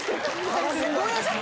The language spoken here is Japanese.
ごめんなさい！